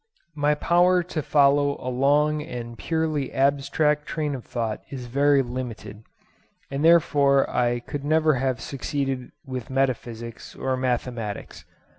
My power to follow a long and purely abstract train of thought is very limited; and therefore I could never have succeeded with metaphysics or mathematics.